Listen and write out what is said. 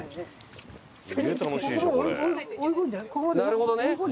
なるほどね。